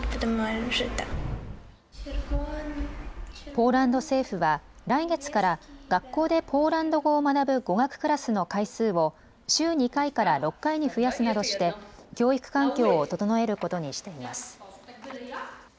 ポーランド政府は来月から学校でポーランド語を学ぶ語学クラスの回数を週２回から６回に増やすなどして教育環境を整えることにしています。